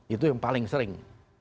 itu yang paling sering